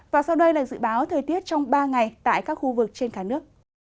và sau đây là dự báo thời tiết trong ba ngày tại các khu vực trên cả nước